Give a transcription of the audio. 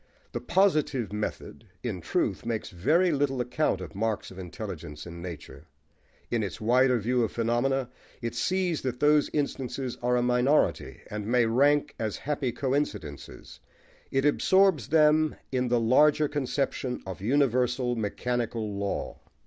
The "positive" method, in truth, makes very little account of marks of intelligence in nature: in its wider view of phenomena, it sees that those instances are a minority, and may rank as happy coincidences: it absorbs them in the larger conception of universal mechanical law.